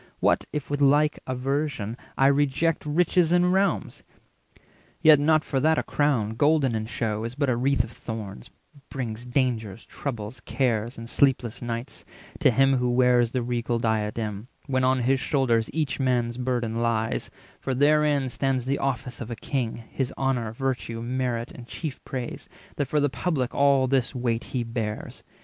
What if with like aversion I reject Riches and realms! Yet not for that a crown, Golden in shew, is but a wreath of thorns, Brings dangers, troubles, cares, and sleepless nights, 460 To him who wears the regal diadem, When on his shoulders each man's burden lies; For therein stands the office of a king, His honour, virtue, merit, and chief praise, That for the public all this weight he bears.